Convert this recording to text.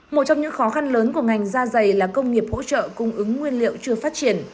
một trong những khó khăn lớn của ngành da dày là công nghiệp hỗ trợ cung ứng nguyên liệu chưa phát triển